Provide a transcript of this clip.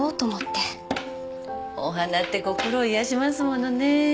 お花って心を癒やしますものね。